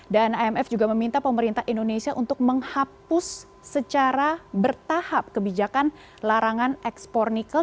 dan imf juga meminta pemerintah indonesia untuk menghapus secara bertahap kebijakan larangan ekspor nikel